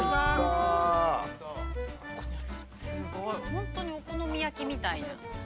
◆本当にお好み焼きみたいな。